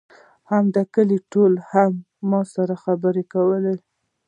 ده هم کیلي لټوله هم یې ما سره خبرې کولې.